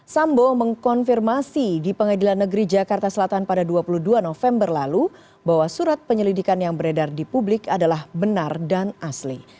sambo mengkonfirmasi di pengadilan negeri jakarta selatan pada dua puluh dua november lalu bahwa surat penyelidikan yang beredar di publik adalah benar dan asli